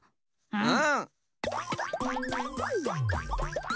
うん。